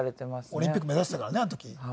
オリンピック目指していたからねあの時。